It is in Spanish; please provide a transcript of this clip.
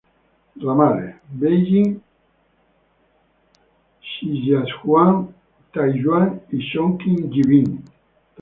Ramales: Beijing-Shijiazhuang-Taiyuan y Chongqing-Yibin.